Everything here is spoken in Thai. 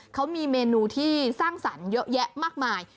เขามีเมนูที่สร้างสรรค์เยอะแยะมากมาย